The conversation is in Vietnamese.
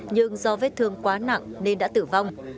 nhưng do vết thương quá nặng nên đã tử vong